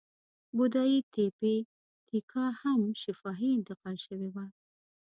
بودایي تیپي تیکا هم شفاهي انتقال شوې وه.